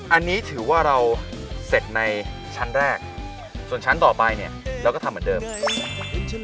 อันนี้ถือว่าเราเสร็จในชั้นแรกส่วนชั้นต่อไปเนี่ยเราก็ทำเหมือนเดิม